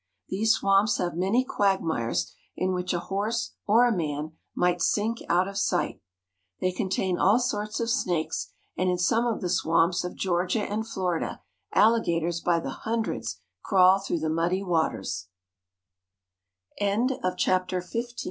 These swamps have many quagmires in which a horse or a man might sink out of sight. They contain all sorts of snakes, and in some of the swamps of Georgia and Florida alligators by the hundreds crawl throu